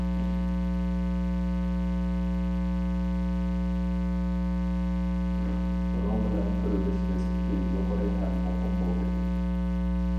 بۇنىڭ بىلەن كۆرۈلۈش نىسبىتى يۇقىرى ھەم مۇقىم بولدى.